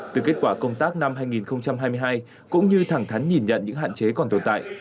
từ kết quả công tác năm hai nghìn hai mươi hai cũng như thẳng thắn nhìn nhận những hạn chế còn tồn tại